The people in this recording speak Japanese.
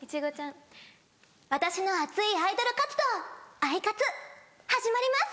「私の熱いアイドル活動『アイカツ！』始まります」。